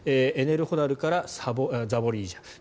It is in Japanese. エネルホダルからザポリージャ。